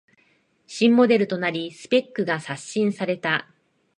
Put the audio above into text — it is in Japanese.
新モデルとなりスペックが刷新された